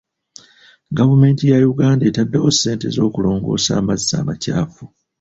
Gavumenti ya Uganda etaddewo ssente z'okulongoosa amazzi amakyafu.